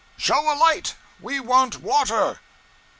Show a light, we want water.'